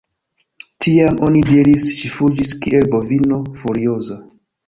Tiam, oni diris ŝi fuĝis kiel bovino furioza.